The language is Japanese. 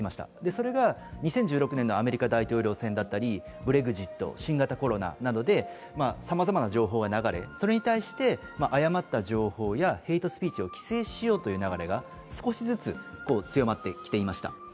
それが２０１６年のアメカリ大統領選だったり、ブレグジット、新型コロナなどでさまざまな情報が流れ、それに対して誤った情報やヘイトスピーチを規制しようとする流れが少しずつ強まってきていました。